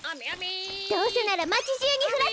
どうせならまちじゅうにふらせて！